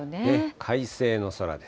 快晴の空です。